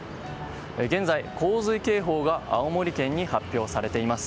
現在、洪水警報が青森県に発表されています。